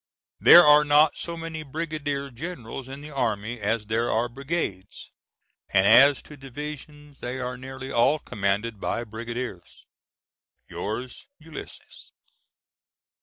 There are not so many brigadier generals in the army as there are brigades, and as to divisions they are nearly all commanded by brigadiers. Yours, ULYSSES.